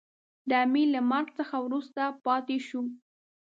د امیر له مرګ څخه وروسته پاته شو.